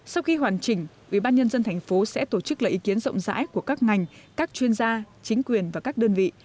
sau khi hoàn chỉnh ubnd tp sẽ tổ chức lấy ý kiến rộng rãi của các ngành các chuyên gia chính quyền và các đơn vị